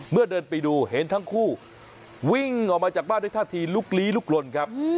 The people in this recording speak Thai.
เดินไปดูเห็นทั้งคู่วิ่งออกมาจากบ้านด้วยท่าทีลุกลี้ลุกลนครับ